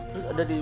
terus ada di